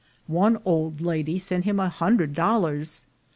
One old lady sent him a hundred dollars.